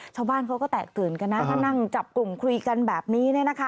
ชาวบ้านเขาก็แตกตื่นกันนะถ้านั่งจับกลุ่มคุยกันแบบนี้